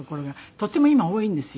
とても今多いんですよ。